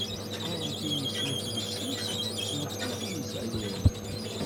Ɣaḍent-iyi snat yessi-s, d tmeṭṭut ur nesɛi lwali.